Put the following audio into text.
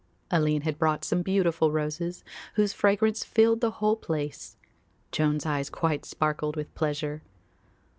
Aline had brought some beautiful roses whose fragrance filled the whole place. Joan's eyes quite sparkled with pleasure.